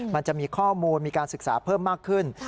มันจะมีข้อมูลมีการศึกษาเพิ่มมากขึ้น